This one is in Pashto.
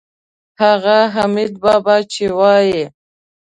هغه حمیدبابا چې وایي.